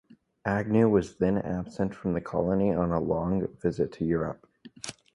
Agnew was then absent from the colony on a long visit to Europe.